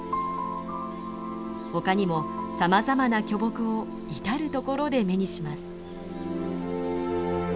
他にもさまざまな巨木を至る所で目にします。